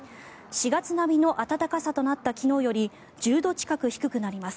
４月並みの暖かさとなった昨日より１０度近く低くなります。